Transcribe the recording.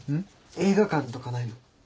映画館とかないの？